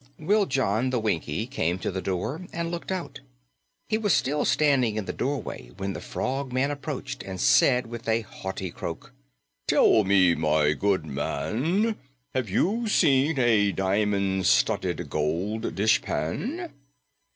Wiljon the Winkie came to the door and looked out. He was still standing in the doorway when the Frogman approached and said with a haughty croak, "Tell me, my good man, have you seen a diamond studded gold dishpan?"